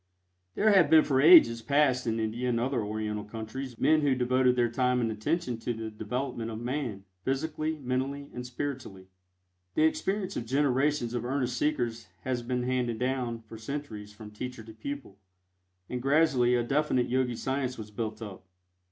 There have been for ages past in India and other Oriental countries men who devoted their time and attention to the development of Man, physically, mentally and spiritually. The experience of generations of earnest seekers has been handed down for centuries from teacher to pupil, and gradually a definite Yogi science was built up.